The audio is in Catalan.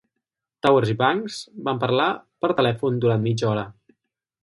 Towers i Banks van parlar per telèfon durant mitja hora.